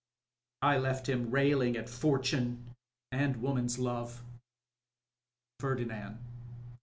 I left him rMHng at Fortune and woman's love. Fbrdinano.